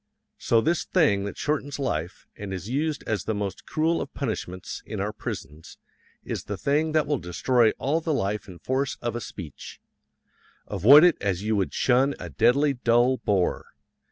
So this thing that shortens life, and is used as the most cruel of punishments in our prisons, is the thing that will destroy all the life and force of a speech. Avoid it as you would shun a deadly dull bore.